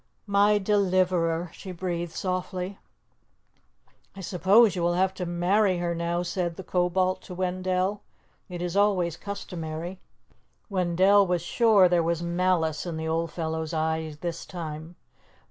"My deliverer!" she breathed softly. "I suppose you will have to marry her now," said the Kobold to Wendell. "It is always customary." Wendell was sure there was malice in the old fellow's eye this time.